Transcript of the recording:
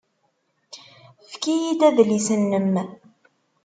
Efk-iyi-d adlis-nnem.